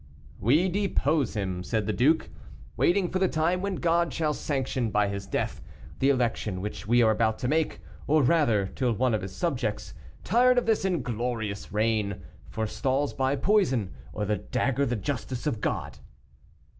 "We depose him," said the duke, "waiting for the time when God shall sanction, by his death, the election which we are about to make, or rather, till one of his subjects, tired of this inglorious reign, forestalls by poison or the dagger the justice of God."